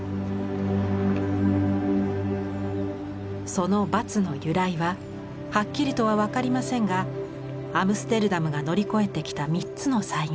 そのバツの由来ははっきりとは分かりませんがアムステルダムが乗り越えてきた三つの災害